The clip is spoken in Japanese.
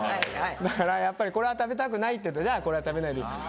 だからやっぱりこれは食べたくないって言うとじゃあこれは食べないでいい。